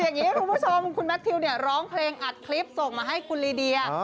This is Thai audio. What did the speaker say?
อย่างนี้คุณผู้ชมคุณแมททิวเนี่ยร้องเพลงอัดคลิปส่งมาให้คุณลีเดีย